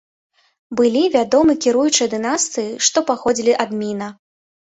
Былі вядомы кіруючыя дынастыі, што паходзілі ад міна.